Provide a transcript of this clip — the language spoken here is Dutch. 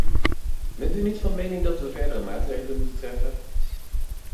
Bent u niet van mening dat we verdere maatregelen moeten treffen?